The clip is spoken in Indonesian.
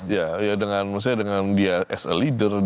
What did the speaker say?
ya maksudnya dengan dia sebagai pemimpin